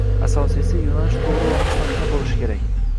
Asosiysi, yoʻnalish toʻgʻri va mustahkam boʻlishi kerak.